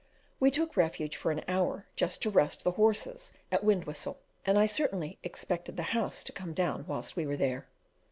We took refuge for an hour just to rest the horses, at Windwhistle, and I certainly expected the house to come down whilst we were there.